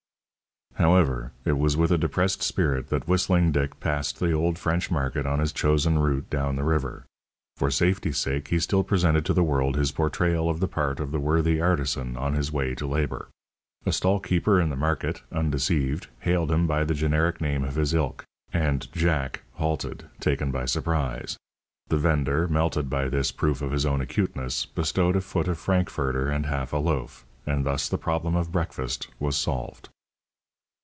However, it was with a depressed spirit that Whistling Dick passed the old French market on his chosen route down the river. For safety's sake he still presented to the world his portrayal of the part of the worthy artisan on his way to labour. A stall keeper in the market, undeceived, hailed him by the generic name of his ilk, and "Jack" halted, taken by surprise. The vender, melted by this proof of his own acuteness, bestowed a foot of Frankfurter and half a loaf, and thus the problem of breakfast was solved.